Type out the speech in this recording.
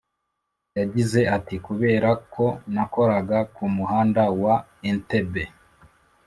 yagize ati “kubera ko nakoraga ku muhanda wa entebbe